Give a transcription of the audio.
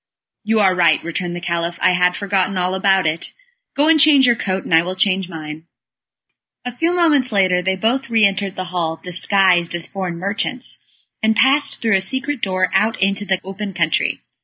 "You are right," returned the Caliph, "I had forgotten all about it. Go and change your coat, and I will change mine." A few moments later they both re entered the hall, disguised as foreign merchants, and passed through a secret door, out into the open country.